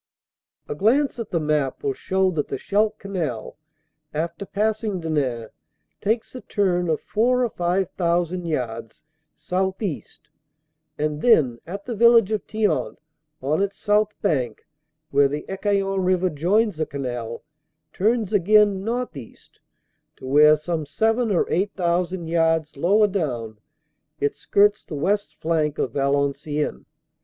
A glance at the map will show that the Scheldt Canal, after passing Denain, takes a turn of four or five thousand yards southeast and then, at the village of Thiant, on its south bank, where the Ecaillon River joins the canal, turns again northeast to where some seven or eight thousand yards lower down it skirts the west flank of Valenciennes.